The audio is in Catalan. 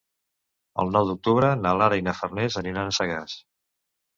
El nou d'octubre na Lara i na Farners aniran a Sagàs.